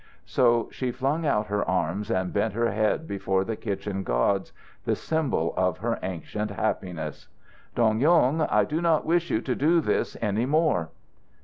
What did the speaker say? So she flung out her arms and bent her head before the kitchen gods, the symbol of her ancient happiness. "Dong Yung, I do not wish you to do this any more."